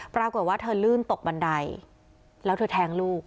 ปรากฏว่าเธอลื่นตกบันไดแล้วเธอแทงลูก